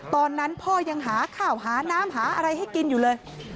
ตอนนั้นพ่อยังหาข้าวหาน้ำหาอะไรให้กินอยู่เลย